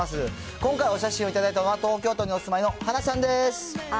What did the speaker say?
今回、お写真を頂いたのは、東京都にお住いのはなさんです。